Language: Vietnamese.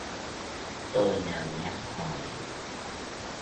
Tôi nào dám hỏi